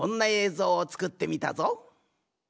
ぞうをつくってみたぞ。